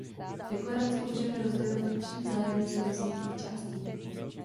Deklaraci můžeme rozdělit do tří vzájemně souvisejících částí.